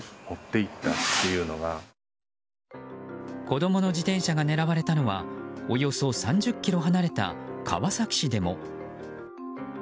子供の自転車が狙われたのはおよそ３０ｋｍ離れた川崎市でも。